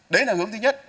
đấy là hướng thứ nhất